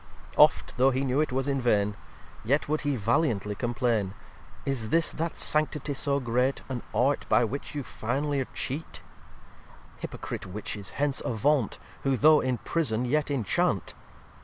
xxvi Oft, though he knew it was in vain, Yet would he valiantly complain. "Is this that Sanctity so great, An Art by which you finly'r cheat Hypocrite Witches, hence avant, Who though in prison yet inchant!